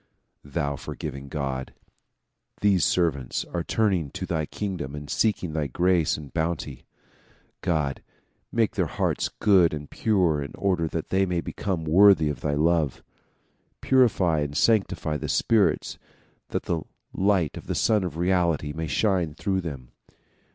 thou forgiving God ! These servants are turning to thy king dom and seeking thy grace and bounty. God ! make their hearts good and pure in order that they may become worthy of thy love. Purify and sanctify the spirits that the light of the Sun of Reality may shine through them.